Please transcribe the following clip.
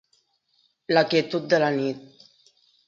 La quietud de la nit.